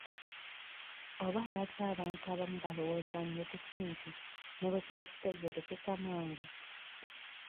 Oba lwaki abantu abamu balowooza nnyo ku kintu ne bwe kiba kitegeerekeka mangu?